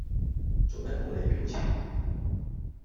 做咩冇厘表情